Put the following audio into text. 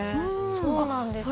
そうなんですよ。